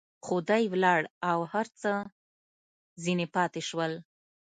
خو دى ولاړ او هر څه ځنې پاته سول.